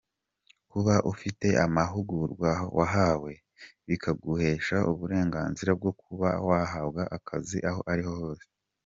Kuba ufite amahugurwa wahawe, bikaguhesha uburenganzira bwo kuba wahabwa akazi aho ariho hose.